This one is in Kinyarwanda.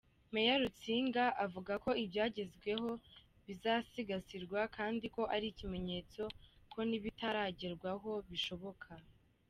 Meya Rutsinga avuga ko ibyagezweho bizasigasirwa kandi ko ari ikimenyetso ko n’ibitaragerwaho bishoboka.